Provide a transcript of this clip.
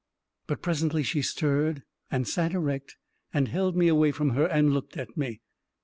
"... But presently she stirred and sat erect and held me away from her and looked at me.